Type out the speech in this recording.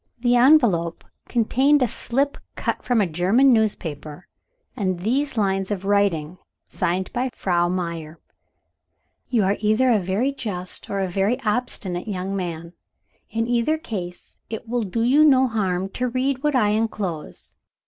The envelope contained a slip cut from a German newspaper, and these lines of writing, signed by Frau Meyer: "You are either a very just, or a very obstinate young man. In either case, it will do you no harm to read what I enclose.